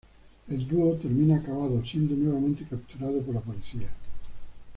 El dúo termina acabado siendo nuevamente capturado por la policía.